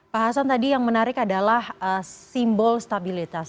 pak hasan tadi yang menarik adalah simbol stabilitas